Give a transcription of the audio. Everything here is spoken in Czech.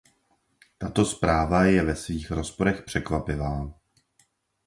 Tato zpráva je ve svých rozporech překvapivá.